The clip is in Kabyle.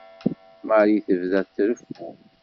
Marie tebda treffu.